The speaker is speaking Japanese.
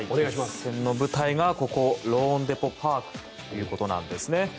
決戦の舞台がローンデポ・パークということです。